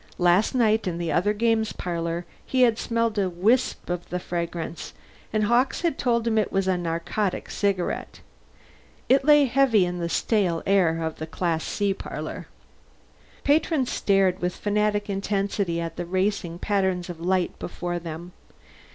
Last night in the other games parlor he had smelled a wisp of the fragrance, and Hawkes had told him it was a narcotic cigarette. It lay heavy in the stale air of the Class C parlor. Patrons stared with fanatic intensity at the racing pattern of lights before them.